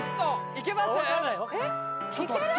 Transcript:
いける？